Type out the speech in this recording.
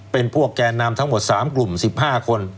เป็นพวกแกนนำทั้งหมด๓กลุ่ม๑๕คน